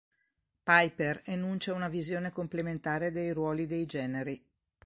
Piper enuncia una visione complementare dei ruoli dei generi.